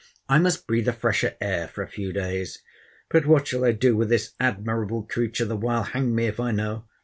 —I must breathe a fresher air for a few days. But what shall I do with this admirable creature the while?—Hang me, if I know!